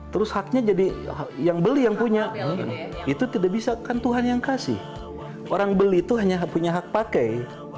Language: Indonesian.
terus haknya jadi yang beli yang punya itu tidak bisa kan tuhan yang kasih orang beli itu hanya punya hak pakai